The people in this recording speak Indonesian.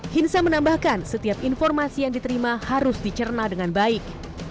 hinsa menambahkan setiap informasi yang diterima harus dicerna dengan baik